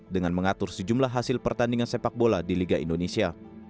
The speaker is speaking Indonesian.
dengan mengatur sejumlah hasil pertandingan sepak bola di liga indonesia